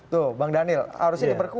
tuh bang daniel